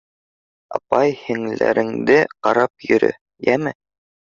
Апай-һеңлеләреңде ҡарап йөрө, йәме.